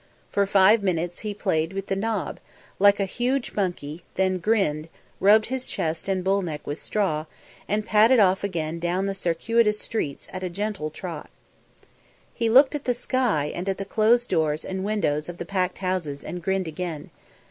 For five minutes he played with the knob, like a huge monkey, then grinned, rubbed his chest and bull neck with straw, and padded off again down the circuitous streets at a gentle trot. He looked at the sky and at the closed doors and windows of the packed houses, and grinned again.